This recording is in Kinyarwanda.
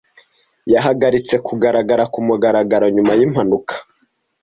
Yahagaritse kugaragara kumugaragaro nyuma yimpanuka.